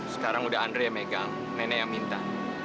sekarang udah andre yang megang nenek yang minta